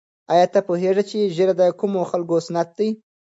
آیا ته پوهېږې چې ږیره د کومو خلکو سنت دی؟